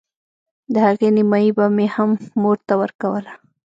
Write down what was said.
د هغې نيمايي به مې هم مور ته ورکوله.